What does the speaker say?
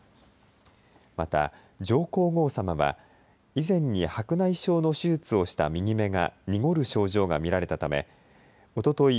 また上皇后さまは以前に白内障の手術をした右目が濁る症状が見られたためおととい